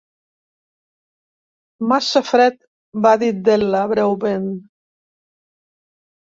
"Massa fred", va dir della breument.